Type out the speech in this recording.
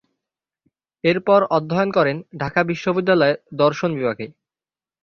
এরপর অধ্যয়ন করেন ঢাকা বিশ্ববিদ্যালয়ে দর্শন বিভাগে।